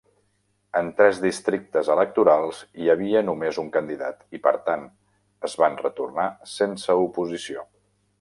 En tres districtes electorals hi havia només un candidat i, per tant, es van retornar sense oposició.